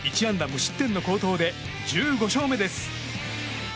無失点の好投で１５勝目です。